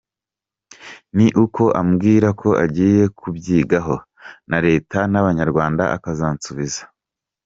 Ni uko ambwira ko agiye kubyigaho na Leta n’Abanyarwanda akazansubiza."